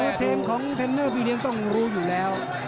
คือเทมของเทรนเนอร์พี่เลี้ยงต้องรู้อยู่แล้ว